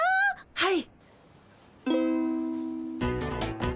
はい。